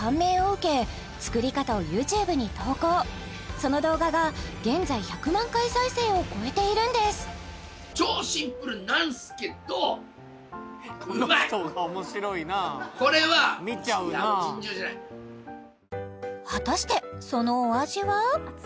その動画が現在１００万回再生を超えているんです果たしてそのお味は？